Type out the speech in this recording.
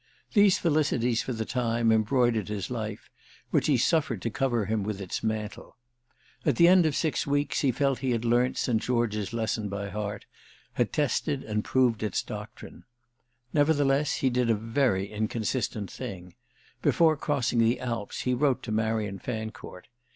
These felicities, for the time, embroidered his life, which he suffered to cover him with its mantle. At the end of six weeks he felt he had learnt St. George's lesson by heart, had tested and proved its doctrine. Nevertheless he did a very inconsistent thing: before crossing the Alps he wrote to Marian Fancourt.